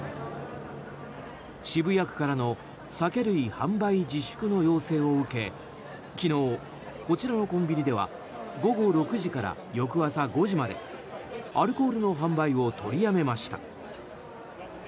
渋谷区からの酒類販売自粛の要請を受け昨日、こちらのコンビニでは午後６時から翌朝５時までアルコールの販売を取りやめました。